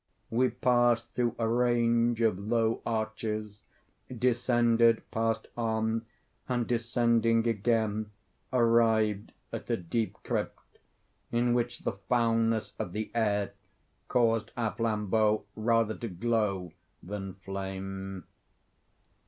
We passed through a range of low arches, descended, passed on, and descending again, arrived at a deep crypt, in which the foulness of the air caused our flambeaux rather to glow than flame.